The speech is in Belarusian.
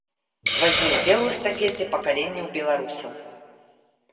Вазьмі ўдзел у эстафеце пакаленняў беларусаў.